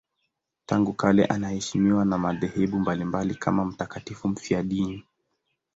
Tangu kale anaheshimiwa na madhehebu mbalimbali kama mtakatifu mfiadini.